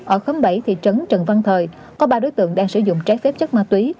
ở khóm bảy thị trấn trần văn thời có ba đối tượng đang sử dụng trái phép chất ma túy